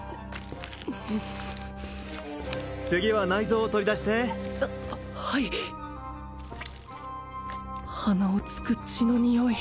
次は内臓を取り出してははい鼻をつく血のニオイ